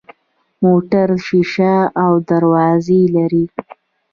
موټر شیشه او دروازې لري.